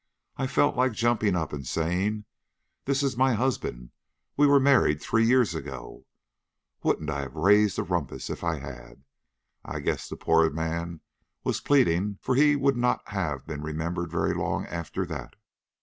I felt like jumping up and saying: 'This is my husband; we were married three years ago.' Wouldn't I have raised a rumpus if I had! I guess the poor man he was pleading for would not have been remembered very long after that.